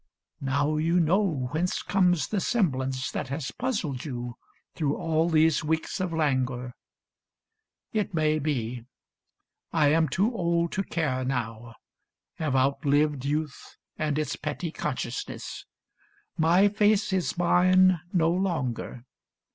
now you know Whence comes the semblance that has puzzled you Through all these weeks of languor ? It may be. I am too old to care now, have outlived Youth and its petty consciousness. My face Is mine no longer.